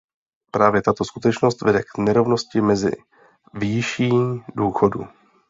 Právě tato skutečnost vede k nerovnosti mezi výší důchodů.